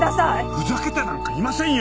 ふざけてなんかいませんよ！